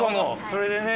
それでね